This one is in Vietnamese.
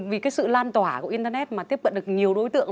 vì cái sự lan tỏa của internet mà tiếp cận được nhiều đối tượng